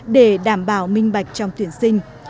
để đảm bảo minh bạch trong tuyển sinh